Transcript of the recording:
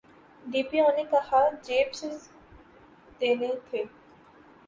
D P O نے کہاں جیب سے دینے تھے۔